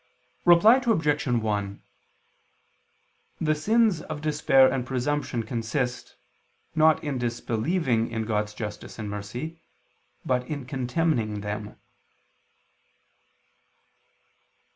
Reply Obj. 1: The sins of despair and presumption consist, not in disbelieving in God's justice and mercy, but in contemning them.